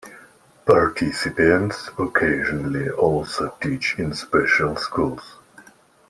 Participants occasionally also teach in special schools.